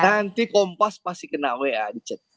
nanti kompas pasti kena wa dicet